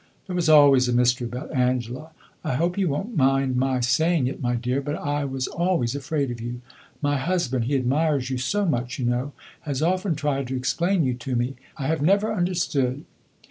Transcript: There was always a mystery about Angela. I hope you won't mind my saying it, my dear; but I was always afraid of you. My husband he admires you so much, you know has often tried to explain you to me; but I have never understood.